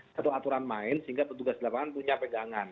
satu aturan main sehingga petugas lapangan punya pegangan